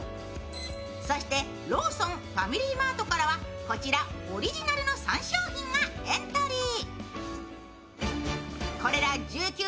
そしてローソン、ファミリーマートからは、こちら、オリジナルの３商品がエントリー。